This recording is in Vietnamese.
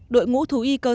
đội ngũ thú y thôn